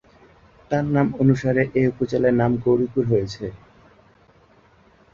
তার নাম অনুসারে এ উপজেলার নাম গৌরীপুর হয়েছে।